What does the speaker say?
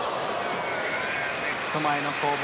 ネット前の攻防。